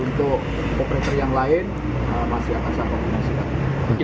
untuk operator yang lain masih ada jasa komponensi